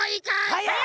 はやい！